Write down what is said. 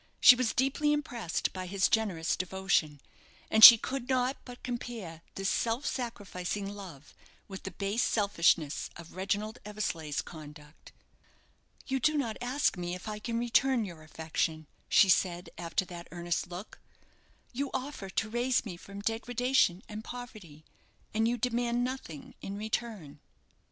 She was deeply impressed by his generous devotion, and she could not but compare this self sacrificing love with the base selfishness of Reginald Eversleigh's conduct. "You do not ask me if I can return your affection," she said, after that earnest look. "You offer to raise me from degradation and poverty, and you demand nothing in return."